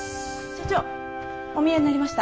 所長お見えになりました。